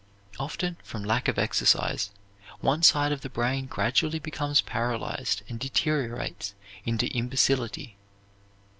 Often, from lack of exercise, one side of the brain gradually becomes paralyzed and deteriorates into imbecility.